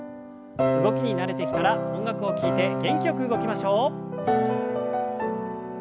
動きに慣れてきたら音楽を聞いて元気よく動きましょう。